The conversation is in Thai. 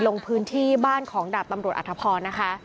ลงพื้นที่บ้านของดาบตำรวจอัธพรนะคะ